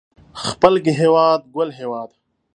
خپل هيواد ګل هيواد